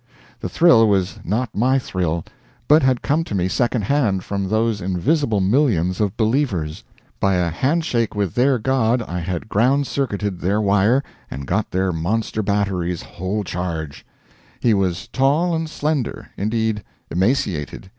The thrill was not my thrill, but had come to me secondhand from those invisible millions of believers. By a hand shake with their god I had ground circuited their wire and got their monster battery's whole charge. He was tall and slender, indeed emaciated.